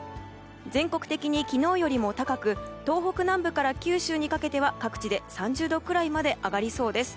全国的に昨日よりも高く東北南部から九州にかけては各地で３０度くらいまで上がりそうです。